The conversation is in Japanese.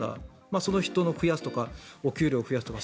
その人手を増やすとかその人の給料を増やすとか